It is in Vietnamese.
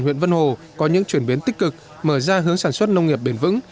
huyện vân hồ có những chuyển biến tích cực mở ra hướng sản xuất nông nghiệp bền vững